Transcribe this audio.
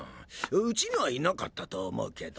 ウチにはいなかったと思うけど。